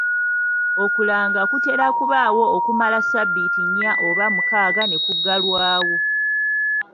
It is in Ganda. Okulanga kutera kubaawo okumala sabbiiti nnya oba mukaaga ne kuggalwawo.